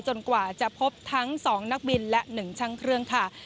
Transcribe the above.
กว่าจะพบทั้ง๒นักบินและ๑ช่างเครื่องค่ะ